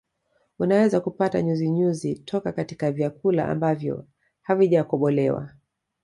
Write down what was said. Unaweza kupata nyuzinyuzi toka katika vyakula ambavyo havijakobolewa